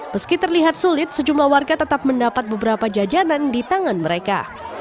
meski terlihat sulit sejumlah warga tetap mendapat beberapa jajanan di tangan mereka